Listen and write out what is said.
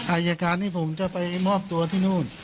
อายการนี้ผมจะไปมอบตัวที่นู่น